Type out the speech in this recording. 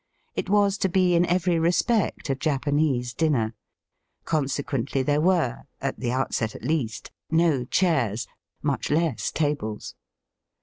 It was to be in every respect a Japanese dinner ; consequently there were (at the out set at least) no chairs, much less tables.